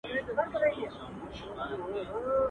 o توري دي لالا وهي، مزې دي عبدالله کوي.